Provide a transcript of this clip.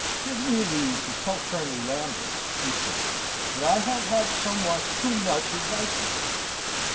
"Give me leave to tell Colonel Lambert," he said, "that I have had somewhat too much advice from him.